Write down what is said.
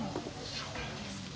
そうですか。